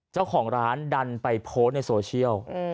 เจ้าของร้านดันไปโพสต์ในโซเชียล